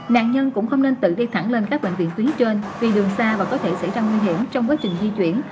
nạn nhân cũng không nên tự đi thẳng lên các bệnh viện tuyến trên vì đường xa và có thể xảy ra nguy hiểm trong quá trình di chuyển